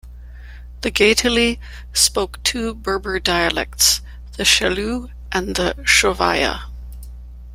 The Gaetuli spoke two Berber dialects: the Schellou and the Schoviah.